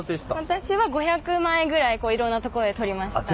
私は５００枚ぐらいいろんなとこで撮りました。